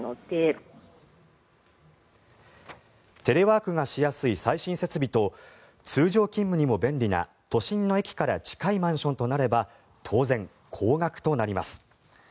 テレワークがしやすい最新設備と通常勤務にも便利な都心の駅から近いマンションとなれば当然、高額となります。